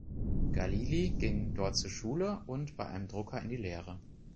Galili ging dort zur Schule und bei einem Drucker in die Lehre.